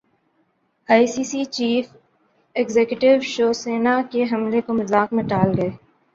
ائی C C chief executive شوسینا کے حملے کو مذاق میں ٹال گئے